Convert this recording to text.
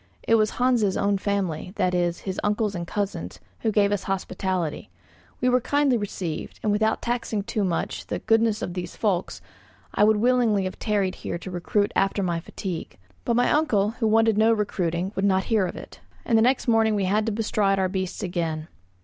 It was Hans' own family, that is, his uncles and cousins, who gave us hospitality; we were kindly received, and without taxing too much the goodness of these folks, I would willingly have tarried here to recruit after my fatigues. But my uncle, who wanted no recruiting, would not hear of it, and the next morning we had to bestride our beasts again.